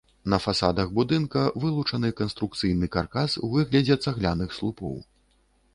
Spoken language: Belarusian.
На фасадах будынка вылучаны канструкцыйны каркас у выглядзе цагляных слупоў.